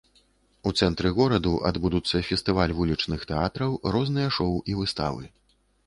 У цэнтры гораду адбудуцца фестываль вулічных тэатраў, розныя шоў і выставы.